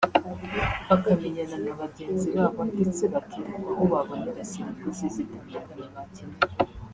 bakamenyana na bagenzi babo ndetse bakerekwa aho babonera serivisi zitandukanye bakenera